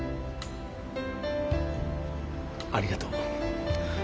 ありがとう。